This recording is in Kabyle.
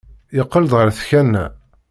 Yeqqel-d ɣer tkanna.